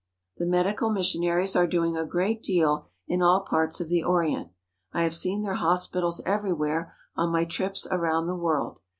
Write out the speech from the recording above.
The medical missionaries are doing a great deal in all parts of the Orient. I have seen their hospitals every where on my trips around the world.